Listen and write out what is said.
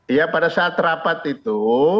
ya pada saat rapat itu